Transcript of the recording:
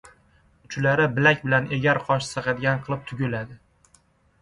Uchlari bilak bilan egar qoshi sig‘adigan qilib tugiladi.